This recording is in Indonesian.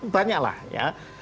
banyak lah ya